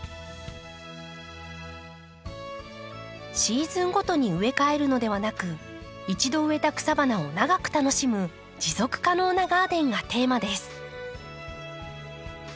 シーズンごとに植え替えるのではなく一度植えた草花を長く楽しむ持続可能なガーデンがテーマです。